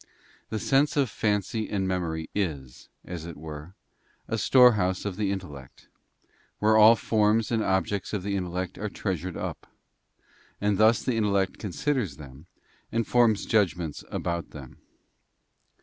The sense of fancy and memory is, as it were, a storehouse of the intellect, where all forms and objects of the intellect are treasured up; and thus the intellect considers them and forms judgments about them.